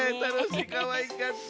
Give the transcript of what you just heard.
かわいかった。